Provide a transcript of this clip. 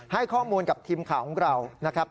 ให้ข้อมูลกับทีมข่าวของเรานะครับ